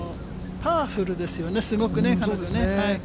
パワフルですよね、すごくね、彼女ね。